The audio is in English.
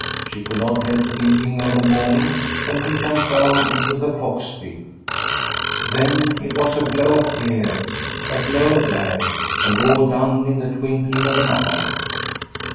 She could not help thinking of the morning when he jumped down into the fox pit. Then it was a blow here, a blow there, and all done in the twinkling of an eye.